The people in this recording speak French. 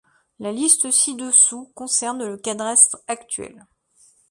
La liste ci-dessous concerne le cadastre actuel.